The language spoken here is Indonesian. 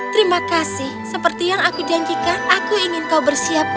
terima kasih seperti yang aku janjikan aku ingin kau bersiap untuk